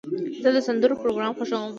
زه د سندرو پروګرام خوښوم.